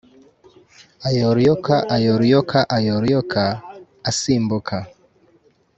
ayora uyoka, ayora uyoka, ayora uyoka, asimbuka